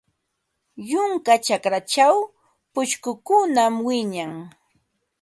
Yunka chakrachaw pushkukunam wiñan.